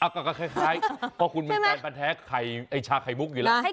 ก็คล้ายก็คุณมีการประแท้ไข่ชาไข่มุกอยู่แล้ว